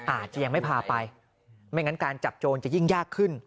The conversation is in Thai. อาจจะยังไม่พาไปไม่งั้นการจับโจรจะยิ่งยากขึ้น